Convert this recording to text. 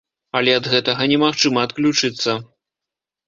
Але ад гэтага немагчыма адключыцца.